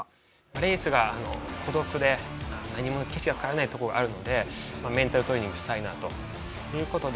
レースが孤独で何も景色が変わらないところがあるのでメンタルトレーニングしたいなという事で。